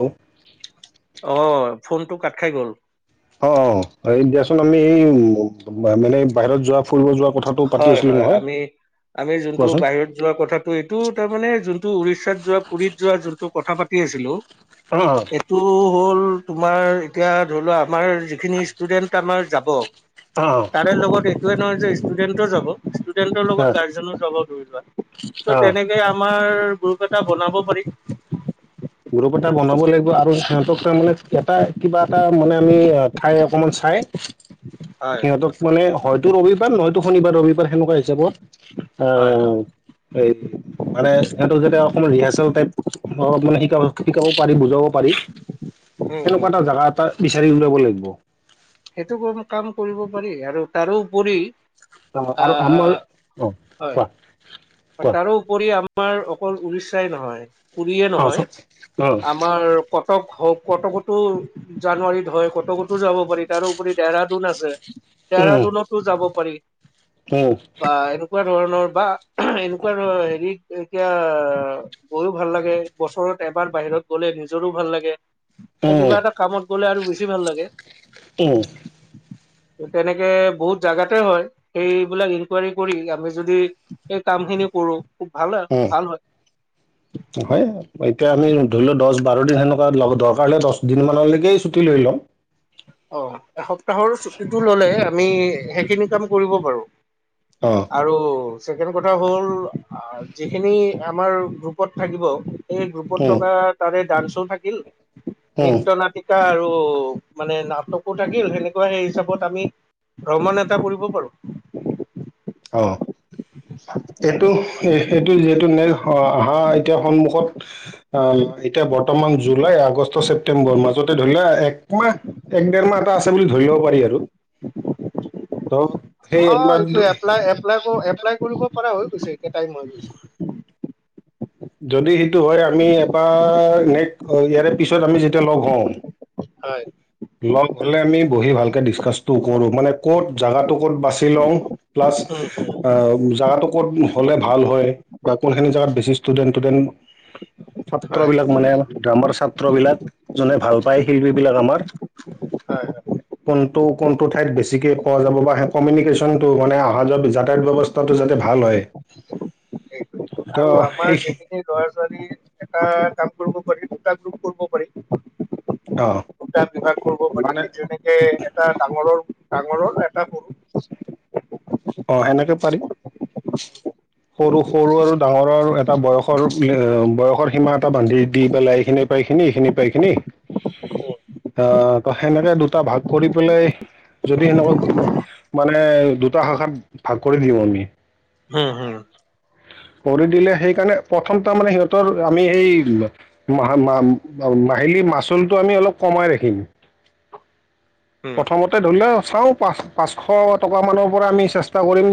অ অ, ফোনটো কাট খাই গ'ল। অ', অ', এই দিয়াচোন আমি এই উম মানে বাহিৰত যোৱা ফুৰিব যোৱা কথাটো পাতি আছিলো হয়-হয় নহয় আমি আমি যোনটো কোৱাচোন বাহিৰত যোৱা কথাটো এইটো তাৰমানে যোনটো উৰিষ্যাত যোৱা পুৰীত যোৱা যোনটো কথা পাত আছিলো অ এইটো হ'ল। তোমাৰ এতিয়া ধৰি লোৱা আমাৰ যিখিনি ষ্টুডেন্ট আমাৰ যাব, অ তাৰে লগত টোৱে নহয় যে ষ্টুডেণ্টো যাব ষ্টুডেন্টৰ অ লগত গাৰ্জেনো যাব ধৰি লোৱা। অ ত' তেনেকে আমাৰ গ্ৰুপ এটা বনাব পাৰি। গ্ৰুপ এটা বনাব লাগিব আৰু সিহঁতক তাৰমানে এটা কিবা এটা মানে আমি ঠাই অকমান চাই হয় সিহঁতক মানে হয়তো ৰবিবাৰ নহয়তো শনিবাৰ ৰবিবাৰ ত'সেনেকুৱা হিচাপত হয় হয় আহ এই মানে সিহঁত যেতিয়া অকমান ৰিহাৰ্চেল টাইপ অলপ মানে শিক শিকাব পাৰি বুজাব পাৰি উম উম সেনেকুৱা এটা উম জেগা এটা হেৰি উলাব লাগিব সেইটো কম কাম কৰিব পাৰি আৰু তাৰোপৰি অ', আৰু আহ আমাৰ, অ', কোৱা। কোৱা তাৰো উপৰি আমাৰ অকল উৰিষ্যাই নহয় পুৰিয়ে অ চ নহয় অ আমাৰ কটক হ'ক কটকটো জানুৱাৰীত হয় কতকত যাব পাৰি তাৰোপৰি ডেহৰাডুন আছে ডেহৰাডুনতো যাব পাৰি। হয়। বা এনেকুৱা ধৰণৰ বা এনেকুৱা ধ হেৰি এতিয়া গৈও ভাল লাগে বছৰত এবাৰ বাহিৰত গ'লে নিজৰো ভাল লাগে। উম, কিবা এটা কামত গ'লে আৰু বেছি ভাল লাগে। উম, তেনেকে বহুত জেগাতে হয় সেইবিলাক ইনকুৱাৰী কৰি আমি যদি এই কাম খিনি কৰো। খুব ভাল উম ভাল হয় হয় এতিয়া আমি ধৰি লওঁ দহ ব বাৰ দিন সেনেকুৱা লগত দৰকাৰ হলে দচ দিন মানলৈকে ছুটি লৈ ল'ম। অ', এসপ্তাহৰ চুটিটো ল'লে আমি সেইখিনি কাম কৰিব পাৰো। অ', আৰু ছেকেণ্ড কথা হ'ল যিখিনি আমাৰ গ্ৰুপত থাকিব এই গ্ৰুপত উম, থকা তাৰে ডান্সো থাকিল উম, নৃত্য নাটিকা আৰু মানে নাটকো থাকিল সেনেকুৱা সেই হিচাপত আমি ভ্ৰমণ এটা কৰিব পাৰো। [inaudible] অ'। এইটো সেইটো যিহেতু [unintelligible] এতিয়া সন্মুখত আ এতিয়া বৰ্তমান জুলাই, আগষ্ট, ছেপ্তেম্বৰ মাজতে ধৰি লোৱা একমাহ এক দেৰ মাহ এটা আছে বুলি ধৰিব পাৰি আৰু। [inaudible] ত' সেই অ একমাৰ এইটো এপ্লাই এপ্লাই ক এপ্লাই কৰিব পৰা হৈ গৈছে একে টাইম হৈ গৈছে। যদি সেইটো হয় আমি এবাৰ নেক ইয়াৰে পিছত আমি যেতিয়া লগ হওঁ হয়। লগ হ'লে আমি বহি ভালকে ডিচকাচটো কৰো মানে ক'ত জাগাটো ক'ত বাছি লওঁ প্লাচ উম উম অ' জাগাটো ক'ত হ'লে ভাল হয় বা কোনখিনি জেগাত বেছি ষ্টুডেণ্ট ডেণ্ট হয় ছাত্ৰবিলাক মানে আমাৰ ছাত্ৰবিলাক যোনে ভাল পায় শিল্পী বিলাক আমাৰ হয়। হয়। কোনটো-কোনটো ঠাইত বেছিকে পোৱা যাব বা সেই কমিউনিকেশ্যনটো মানে অহা যোৱা যাতায়ত ব্যৱস্থা টো যাতে ভাল হয়। সেই তো আৰু সেই আমাৰ যখিনি ল'ৰা এটা কাম কৰিব পাৰি, দুটা গ্ৰুপ কৰিব পাৰি। অ গটা বিভাগ কৰিব পাৰি মানে যেনেকে এটা ডাঙৰৰ ডাঙৰৰ এটা। [unintelligible] অ' সেনেকে পাৰিম। সৰু সৰু আৰু ডাঙৰ আৰু এটা বয়সৰ বয়সৰ সীমা এটা বান্ধি দি পেলাই এইখিনি পাই খিনি এইখিনি পাই খিনি। অ [inaudible] অ' ত সেনেকে দুটা ভাগ কৰি পেলাই যদি সেনেকুৱা মানে দুটা শাখাত ভাগ কৰি দিওঁ আমি। [inaudible] কৰি দিলে সেইকাৰণে প্ৰথম ত মানে সিহঁতৰ আমি এই আহিলি মাচুলটো আমি অলপ কমাই ৰাখিম। উম প্ৰথমতে ধৰিও চাওঁ পা পাচশ টকা মানৰ পৰা আমি চেষ্টা কৰিম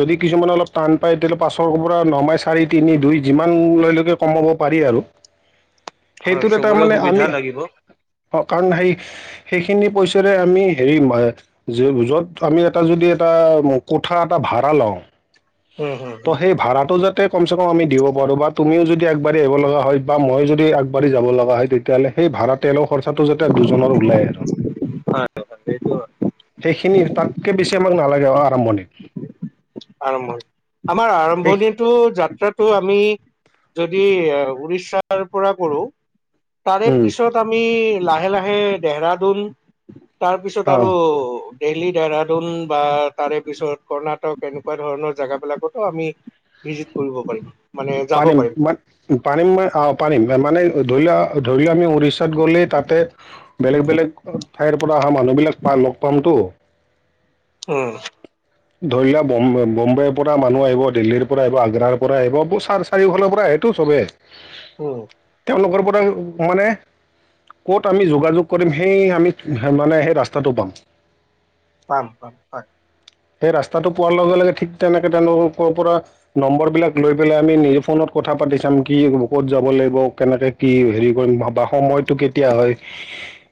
যদি কিছুমান অলপ টান পাই তেতিয়াহলে পাচৰ পৰা নমাই চাৰি তিনি দুই যিমান লৈ লকে কমাব পাৰি আৰু। হয়। চবৰে সুবিধা লাগিব। কাৰন সেই সেইখিনি পাইছা। আমি হেৰি যত আমি এটা যদি এটা কোঠা এটা ভাড়া লওঁ। উম হম ত' হম সেই ভাড়াটো যাতে, তাতে কমচে কম আমি দিব পাৰোঁ বা তুমিও যদি আগবা় আহিব লগা হয় বা মইো যদি আবাঢ়ি যাব লগা হয় তেতিয়াহ'লে সেই ভাড়া তেলৰ খৰচাটো যাতে দুজনৰ ওলাই আৰু। হয় হয়। সেইখিনি তাতকৈ বেছি আমাক নালাগে আৰম্ভণিত। আৰম্ভনি আমাৰ সেই আৰম্ভনিটো যাত্ৰাত তটো আমি যদি উৰিষাৰ পৰা কৰো। তাৰে পিছত আমি লাহে লাহে দেহৰাদোন তাৰ পিছত অঁ আৰু দেইলী দেহৰাডুন বা তাৰে পিছত কৰ্ণাটক এনেকে তেনেকুৱা ধৰণৰ জোগাবিলাকতো আমি ভিজিত কৰিব পাৰিম। মানে যাব পাৰিম ম পাৰিম অ' পাৰিম মানে ধৰি লোৱা। ধৰি লও আমি উৰিষাত গলেই তাতে বেলেগ বেলেগ ঠাইৰ পৰা অহা মানুহ বিলাক পা লগ পামতো। উম, ধৰি লোৱাম বম্বেৰ পৰা মানুহ আহিব দিল্লীৰ পৰা আহিব আগ্ৰাৰ পৰা আহিব। চাৰ চাৰিওফালৰ পৰা আহেটো চবেই। উম। লগৰ পৰা হোৱা নে ক'ত আমি যোগাযোগ কৰিম সেই আমি মানে সেই ৰাস্তাটো পাম। পাম পাম হয়। সেই ৰাস্তাটো পোৱাৰ লগে লগে ঠিক তেনেকে তেওঁলোকৰ পৰা নম্বৰ বিলাক লৈ পেলাই আমি নিজে ফোনত। কথা পাতি চাম কি ক'ত যাব লাগিব কেনেকে কি হেৰি কৰিম বা সময়টো কেতিয়া হয়।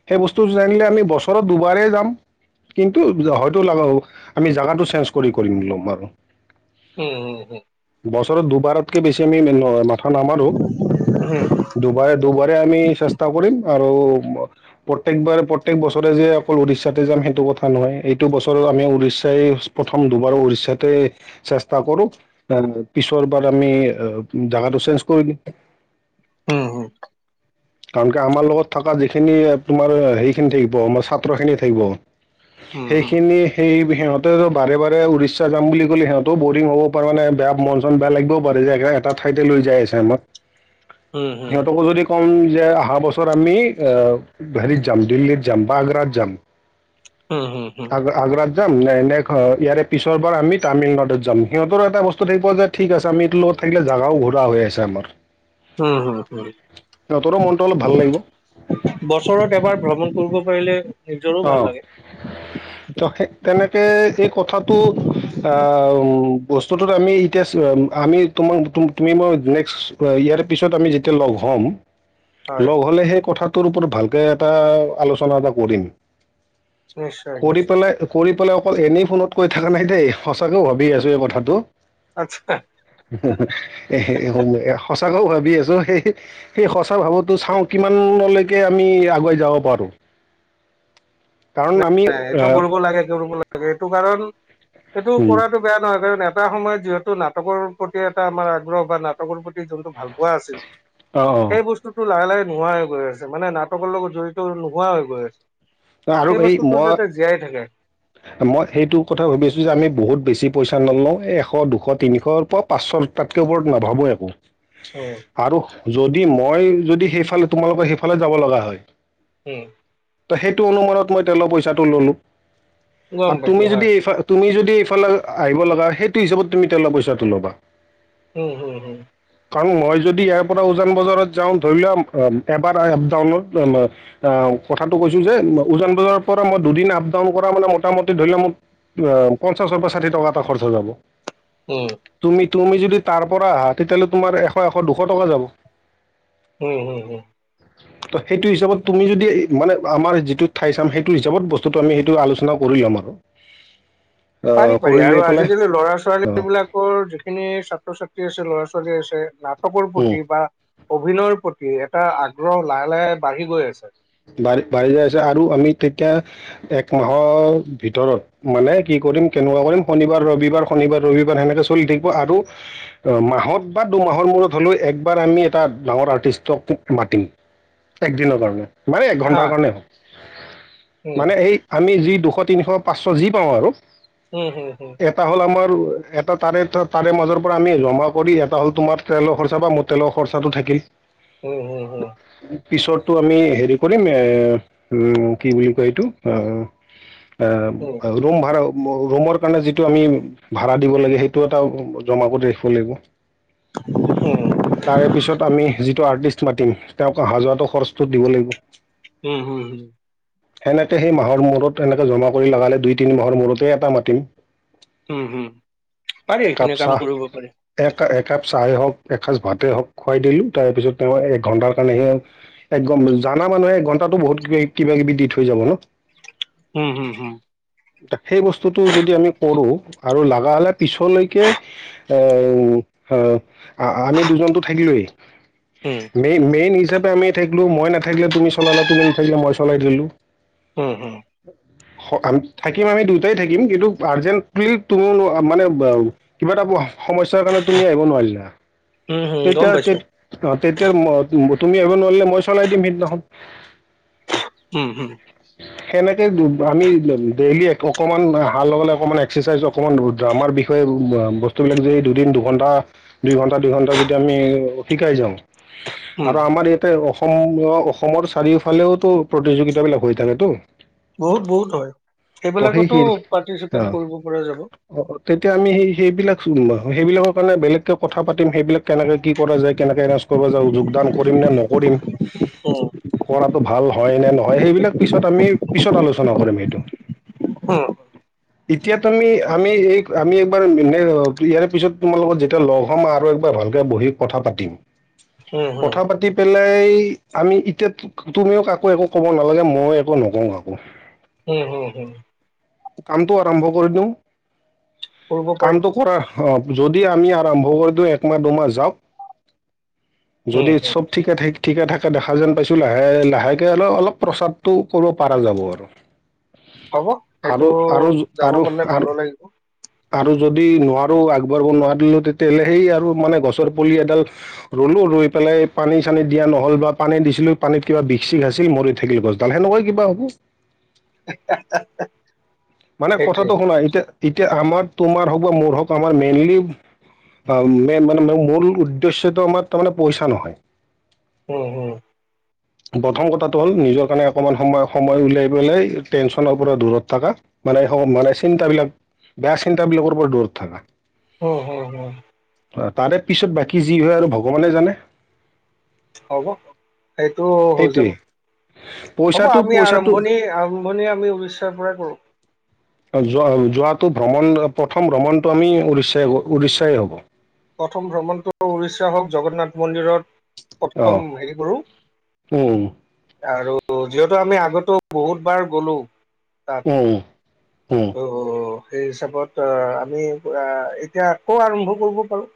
সেই বস্তু জানিলে আমি বছৰত দুবাৰেই যাম, কিন্তু হয়তো আমি জেগাটো চেঞ্জ কৰি কৰিম ল'ম আৰু। উম উম হম। বছৰত দুবাৰতকে বেছি আমি কথা নামাৰো দুবাৰে দুবাৰে আমি চেষ্টা কৰিম। আৰু প্ৰত্যেকবাৰ প্ৰত্যয়েক বছৰে যে অকল উৰিষ্যাতে যাম সেইটো কথা নহয়, এইটো বছৰ আমি উৰিস [inaudible] প্ৰথম দুবাৰ উৰিষাতে চেষ্টা কৰো পিছৰবাৰ আমি। জোগাটো চেঞ্জ কৰি দি হম হম। কাৰণ কি আমাৰ লগত থকা যিখিনি তোমাৰ হেৰিখিনি থাকিব আমাৰ ছাত্ৰ খিনিয় থাকিব। হম হম সেইখিনি সেই সিহঁতেতো বাৰে বাৰে উৰিষ্যা যাম বুলি ক'লে সিহঁতও বৰিং হ'ব পাৰে মানে বেয়া মন চন বেয়া লাগিবও পাৰে যেগাই এটা ঠাইতে লৈ যাই আছে আমাক। হম সিহঁতকো যদি কম যে অহা বছৰ আমি এ ঘৰি যাম দিল্লীত যাম বা আগ্ৰাত যাম। হম হুম হু। আগ আগ্ৰাত যাম নাই ন ইয়াৰে পিছৰ বাৰ আমি তামিলনাডুত যাম সিহঁতৰ এটা বস্তু থাকিব যে ঠিক আছে আমি এইটো থাকিলে জোগাও ঘূৰা হৈ আছে আমাৰ। হ হ সিহঁতৰো মনটো অলপ ভাল লাগিব বছৰত এবাৰ ভ্ৰমণ কৰিব। পাৰিলে নিজৰো ভাল অ', লাগে। ত সেই তেনে এই কথাটো অ', বস্তুটোত আমি এতিয়া আমি তোমাৰ তুমি মই নেক্সট ইয়াৰ পিছত আমি যেতিয়া লগ হ'ম হয় লগ হ'লে সেই কথাটোৰ ওপৰত ভালকে এটা আলোচনা এটা কৰিম। নিশ্চয় কৰি নিশ্চয় পেলাই, কৰি পেলাই অকল এনেই ফোনত কৈ থকা নাই দেই সঁচাকেও ভাবি আছো এই কথাটো। আত্ছা। সঁচাকেও ভাবি আছো এই সেই সঁচা আচছা ভাবোতো চাওঁ কিমানলৈকে আমি আগুৱাই যাব পাৰো। কাৰণ নাই আমি নাই এইটো আহ, কৰিব লাগে কৰিব লাগে এইটো কাৰণ এইটো উম, কৰাতটো বেয়া নহয় কাৰণ এটা সময়ত যিহেতু নাটকৰ প্ৰতি এটা আমাৰ আগ্ৰহ বা নাটকৰ প্ৰতি যোনটো ভাল পোৱা আছিল অ অ সেই বস্তুতটো লাহে লাহে নোহোৱাই হৈ গৈ আছে মানে নাটকৰ লগত জড়িত নোহোৱা হৈ গৈ আছে। অ', আৰু সেই এই বস্তুটো মই যাতে জীয়াই থাকে। মই, সেইটো কথা ভাবি আছো যে আমি বহুত বেছি পইচা নলওঁ এশ দুশ তিনিশৰ পৰা পাঁচশ তাতকৈ বৰ নাভাবো একো। উম আৰু যদি মই যদি সেইফালে তোমালোকৰ সেইফালে যাব লগা হয়। উম। সেইটো অনুমানত মই তেলৰ পইচাটো ল'লো গম আৰু পাইছো তুমি হয় যদি তুমি যদি এইফালে আহিব লগা সেইটো হিচাপত তুমি তেওঁলোক পইচাটো ল'বা। উম হম হম। কাৰণ মই যদি ইয়াৰ পৰা উজান বজাৰত যাওঁ ধৰি লোৱা এবাৰ এপ ডাউনলোড কথাটো কৈছো যে উজান বজাৰৰ পৰা মই দুদিন আপ ডাউন কৰা মানে মোটামুটি ধৰি লও ম অ', পঞ্চাশৰ পৰা ষাঠি টকা এটা খৰচা যাব। উম। তুমি তুমি যদি তাৰ পৰা আহা তেতিয়াহ'লে তোমাৰ এশ এশ দুশ টকা যাব। উম হম হ। ত' সেইটো হিচাপত তুমি যদি মানে আমাৰ যিটো ঠাই চাম সেইটো হিচাপত বস্তুটো আমি সেইটো আলোচনা কৰি লম আৰু। আহ, পাৰি পাৰি কৰি আৰু লৈ পেলাই আজিকালি ল'ৰা ছোৱালী বিলাকৰ যিখিনি ছাত্ৰ ছাত আছে ল'ৰা ছোৱালী আছে নাটকৰ অঁ প্ৰতি বা অভিনয়ৰ প্ৰতি কি এটা আগ্ৰহ লাহে লাহে বাঢ়ি গৈ আছে। বাঢ়ি বাঢ়ি যাই আছে আৰু আমি তেতিয়া এক মাহৰ ভিতৰত মানে কি কৰিম কেনেকুৱা কৰিম শনিবাৰ ৰবিবাৰ, শনিবাৰ ৰবিবাৰ সেনেকে চলি থাকিব আৰু মাহত বা দু মাহৰ মূৰত হ'লেও একবাৰ আমি এটা ডাঙৰ আৰ্টিষ্টক মাতিম একদিনৰ কাৰণে। মানে এক হা ঘণ্টাৰ হা কাৰণে হওঁক উম মানে এই আমি যি দুশ তিনিশ পাঁচশ যি পাওঁ আৰু উম হম হম এটা হ'ল আমাৰ এটা তাৰে তাৰে মাজৰ পৰা আমি জমা কৰি এটা হ'ল তোমাৰ তেলৰ খৰচা বা মোৰ তেলৰ খৰচাটো থাকিল। উ হয়। পিছতো আমি হেৰি কৰিম এ উম কি বুলি কয় এইটো। উম ৰোম ভাড়াও। ৰুমৰ কাৰণে যিটো আমি ভাড়া দিব লাগে সেইটো এটা জমা কৰি ৰাখিব লাগিব। উম তাৰে পিছত আমি যিটো আৰ্টিষ্ট মাতিম তেওঁক অহা যোৱাটো খৰচটো দিব লাগিব। উম হম হম। সেনেকে সেই মাহৰ মূৰত এনেকে জমা কৰি লগালে দুই তিনি মাহৰ মূতে এটা মাতিম। উম হম পাৰি সেইখিনি কাম কৰিব পাৰি। একাপ চাহ হওঁক একচ ভাতে হওঁক খুৱাই দিলো তাৰপিছত তেওঁ এক ঘণ্টাৰ কাৰণেহে একদম জানা মানুহে ঘন্টাটো বহুত কিবা কিবি দি থৈ যাব ন। উম হম হম। সেই বস্তুটো যদি আমি কৰো আৰু লাগা হ'লে পিছলৈকে অ', আমি দুজনতো থাকিলোয়েই উম মেইন-মেইন হিচাপে আমি থাকিলো মই নাথাকিলে তুমি চলালা তুমি নাথাকিলে মই চলাই দিলো। হম হু। থাকিম আমি দুয়টাই থাকিম কিন্তু আৰ্জেণ্ট তুম মানে কিবা এটা [unintelligible] সমস্যাৰ কাৰণে তুমি আহিব নোৱাৰিলা। উম হুম গম তেতিয়া পাইছো। তে- অ, তেতিয়া তুমি আহব নোৱাৰিলে মই চলাই দিম সিদিনাখন। উম হুম। সেনেকে আমি ডেইলি অকমান হাৰ লগে অকমান এক্সাৰচাইজ অকমান। আমাৰ বিষয়ে বস্তুবিলাক যে এই দুদিন দুঘণ্টা দুই ঘণ্টা দুইঘণ্টা যদি আমি শিকাই যাওঁ। উম আৰু আমাৰ ইয়াতে অসম অসমৰ চাৰিওফালেওতো প্ৰতিযোগিতা বিলাক হৈছে টমেটো বহুত বহুত হয়। ত সেই স সেইবিলাকতো পাৰ্টিচিপেট অ', কৰিব পৰা যাব অ', তেতিয়া আমি সেই সেইবিলাক চ সেইবিলাকৰ কাৰণে বেলেগকে কথা পাতিম সেইবিলাক কেনেকে কি কৰা যায় কেনেকে এৰেঞ্জ কৰা যায় যোগদান কৰিম নে নকৰিম উম কৰাতটো ভাল হয় নে নহয় সেইবিলাক পিছত আমি পিছত আলোচনা কৰিম সেইটো। অ'। এতিয়া তুমি আমি এই আমি এবাৰ ইয়াৰে পিছত তোমাৰ লগত যেতিয়া লগ হম আৰুাৰ ভালকৈ বহি কথা পাতিম। উম হম কথা পাতি পেলাই আমি এতিয়া তুমিও কাকো একো ক'ব নালাগে। মই এক নকওঁ কাকো। হম হম হম। কামটো আৰম্ভ কৰি দিওঁ কৰিব পাৰি কামটো কৰাৰ অ' যদি আমি আৰম্ভ কৰি দিওঁ একমাহ দুমাহ যাওক, যদি উম চব ঠিকে থাকে ঠিকে থাকে দেখা যেন পাইছোঁ লাহে লাহেকে অলপ অলপ প্ৰচাৰটো কৰিব পৰা যাব আৰু। হ'ব সেইটো আৰু আৰু যাব আৰু পাৰে আৰু ভালো লাগিব। আৰু যদি নোৱাৰো আগবাঢ়িব নোৱাৰ দিলো তেতিয়াহলে সেই আৰু মানে গছৰ পুলি এডাল ৰ'লো ৰৈ পেলাই পানী চানী দিয়া নহ'ল বা পানী দিছিলো পানীত কিবা বিষ আছিল মৰি থাকিল গছডাল সেনেকুৱা কিবা হ'ব। [inaudible] মানে সেইটোৱে কথাটো শুনা এতিয়া এতিয়া আমাৰ তোমাৰ হওঁক বা মোৰ হওঁক আমাৰ মেইনলি ম মানে মূল উদ্দেশ্যটো আমাৰ তাৰমানে পইচা নহয় উম হম। প্ৰথম কথাটো হ'ল নিজৰ কাৰণে অকমান সময় সময় উলাই পেলাই টেনশ্যনৰ পৰা দূৰত থকা। মানে মানে চিন্তাাবিলাক বেয়া চিন্তাবিলাকৰ ওপৰত দূৰত থকা। হ হ হ। তাৰে পিছত বাকী যি হয় আৰু ভগৱানে জানে। হ'ব সেইটো হৈ যাব। সেইটোৱে হ'ব পইচাটো আমি পইচাটো আৰম্ভণি-আৰম্ভণি আমি উৰিষ্যাৰ পৰাই কৰো। যোৱা যোৱাটো ভ্ৰমণ প্ৰথম ভ্ৰমণটো আমি ওড়িশা ওড়িশায়ে হব। প্ৰথম ভ্ৰমণটো ওড়িশা হওক জগন্নাথ মন্দিৰত অঁ প্ৰথম হেৰি কৰো। উম আৰু যিহেতু আমি আগতেো বহুত বাৰ গ'লো। তাত উম। উম [unintelligible] সেই হিচাপত আমি আ, এতিয়া আকৌ আৰম্ভ কৰিব পাৰো।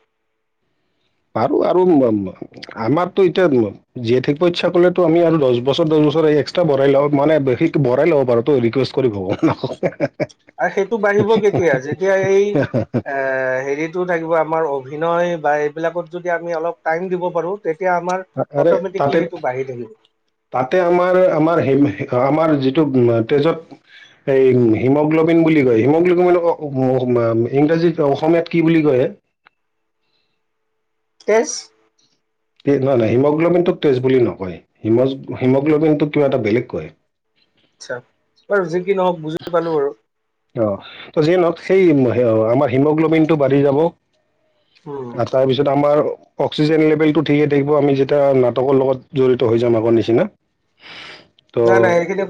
বাৰ আৰু উ আমাৰতো এতিয়া জীয়াই থাকিব ইচ্ছা কলেতো আমি আৰু দহ বছৰ দহ বছ [unintelligible] আহি এক্সট্ৰা বৰহায় লগ মানে বিশেষ বৰহায় লব পাৰো তো ৰিকোয়েস্ট কৰিব আৰু সেইটো বাঢ়িব কেতিয়া যেতিয়া এই এ হেৰিটো থাকিব আমাৰ অভিনয় বা এইবিলাকত যদি আমি অলপ টাইম দিব পাৰোঁ আৰে থাকিব তাতে-তাতে আমাৰ, আমাৰ-আমাৰ যিটো [unintelligible] তেজত এই হিমগ্লবিন বুলি কয় হিমগ্লবিন ইংৰাজীত অসমীয়াত কি বুলি কয় হে? [unintelligible] নহয় নহ হিমোগ্লবিনটোক তেজ বুলি নকয়, হিমোগ্লবিনটোক কিবা এটা বেলেগ কয়। আচ্ছা বাৰু যি কি নহওঁক বুজি পালো বাৰু অঁ ত যিয়ে নহওঁক সেই আমাৰ হিমোগ্ল'বিন টো বাঢ়ি যাব। উম আৰু তাৰপিছত আমাৰ অক্সিজেন লেভেলটো ঠিকে থাকিব আমি যেতিয়া নাটকৰ লগত জড়িত হৈ যাম আগৰ নিচিনা। নাই নাই ত' এইখিনি